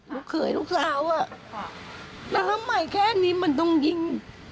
ลูกเคยลูกสาวอ่ะแต่ทำไมแค่นี้มันต้องยิง